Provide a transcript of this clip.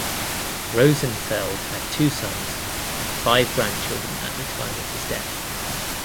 Rosenfeld had two sons and five grandchildren at the time of his death.